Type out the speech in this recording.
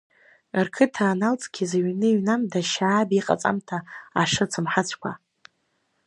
Рқыҭа аналҵгьы зыҩны иҩнамда Шьааб иҟаҵамҭа ашыц мҳаҵәқәа…